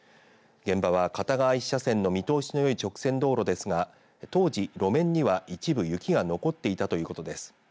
現場は片側１車線の見通しのよい直線道路ですが当時、路面には一部雪が残っていたということです。